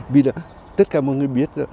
vì đã tất cả mọi người biết đó